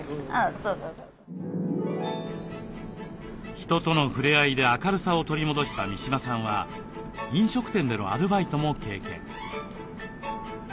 人との触れ合いで明るさを取り戻した三嶋さんは飲食店でのアルバイトも経験。